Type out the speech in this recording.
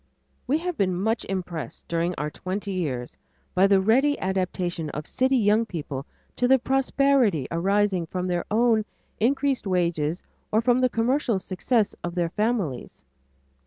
We have been much impressed during our twenty years, by the ready adaptation of city young people to the prosperity arising from their own increased wages or from the commercial success of their families.